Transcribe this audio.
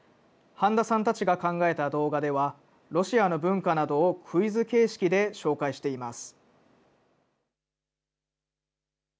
半田さんたちが考えた動画では、ロシアの文化などをクイズ形式で紹介しています。